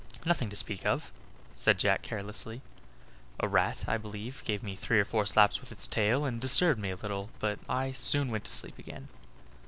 "Nothing to speak of," said Jack, carelessly; "a rat, I believe, gave me three or four slaps with its tail, and disturbed me a little; but I soon went to sleep again."